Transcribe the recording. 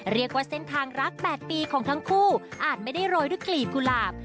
เรียกว่าเส้นทางรัก๘ปีของทั้งคู่อาจไม่ได้โรยด้วยกลีบกุหลาบ